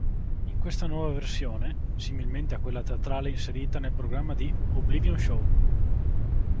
In questa nuova versione, similmente a quella teatrale inserita nel programma di "Oblivion Show!